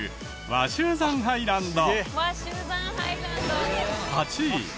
鷲羽山ハイランド！